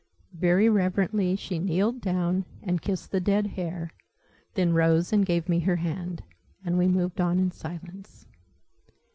Very reverently she kneeled down, and kissed the dead hare; then rose and gave me her hand, and we moved on in silence.